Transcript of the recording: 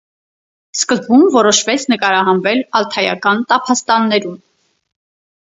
Սկզբում որոշվեց նկարահանվել ալթայան տափաստաններում։